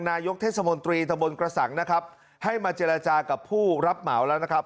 นายกเทศมนตรีตะบนกระสังนะครับให้มาเจรจากับผู้รับเหมาแล้วนะครับ